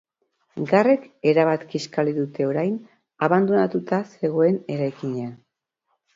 Garrek erabat kiskali dute orain abandonatuta zegoen eraikina.